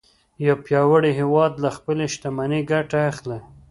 یو پیاوړی هیواد له خپلې شتمنۍ ګټه اخلي